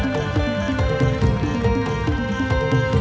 เธอไม่รู้ว่าเธอไม่รู้